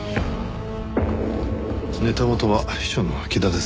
ネタ元は秘書の木田です。